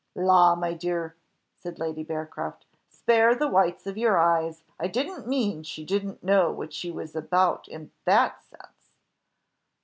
"La! my dear," said Lady Bearcroft; "spare the whites of your eyes, I didn't mean she didn't know what she was about in that sense."